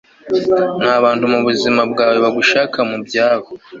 nabantu mubuzima bwawe bagushaka mubyabo